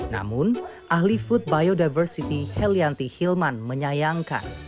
namun ahli food biodiversity helianti hilman menyayangkan